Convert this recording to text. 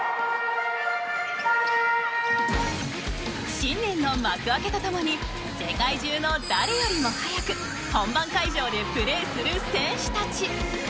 新年の幕開けとともに世界中の誰よりも早く本番会場でプレーする選手たち。